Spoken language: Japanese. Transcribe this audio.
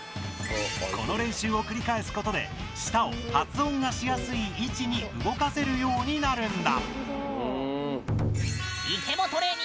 この練習を繰り返すことで舌を発音がしやすい位置に動かせるようになるんだ。